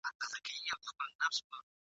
که به دوه وه درې یې نور پوري تړلي ..